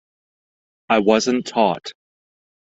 I wasn't taught.